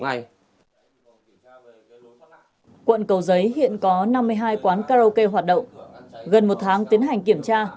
quận cầu giấy hiện có năm mươi hai quán karaoke hoạt động gần một tháng tiến hành kiểm tra